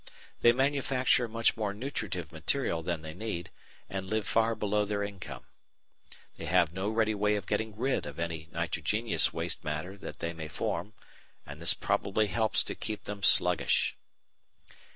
They manufacture much more nutritive material than they need, and live far below their income. They have no ready way of getting rid of any nitrogenous waste matter that they may form, and this probably helps to keep them sluggish.